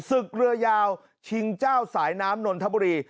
ศึกเรือยาวชิงเจ้าสายน้ำนนทบุรี